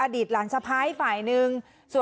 อดีตหลานสะพ้ายถ้าฝ่ายนึง